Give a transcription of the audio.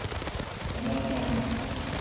Me nong moni